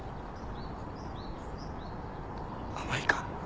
甘いか？